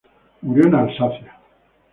Murió en Alsacia.